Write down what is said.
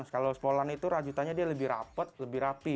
kalau sekolah itu rajutannya dia lebih rapet lebih rapi